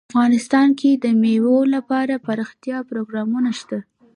افغانستان کې د مېوې لپاره دپرمختیا پروګرامونه شته.